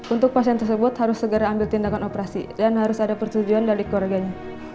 untuk pasien tersebut harus segera ambil tindakan operasi dan harus ada persetujuan dari keluarganya